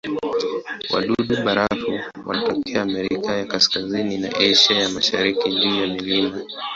Wadudu-barafu wanatokea Amerika ya Kaskazini na Asia ya Mashariki juu ya milima.